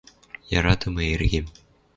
яратымы эргем